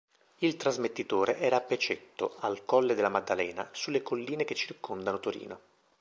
Il trasmettitore era a Pecetto, al Colle della Maddalena, sulle colline che circondano Torino.